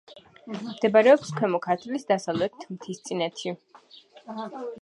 მდებარეობს ქვემო ქართლის დასავლეთ მთისწინეთში.